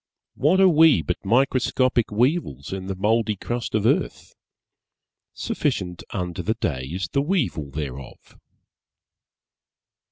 What are we but microscopic weevils in the mouldy crust of earth? Sufficient unto the day is the weevil thereof.